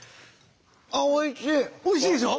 おいしいでしょ。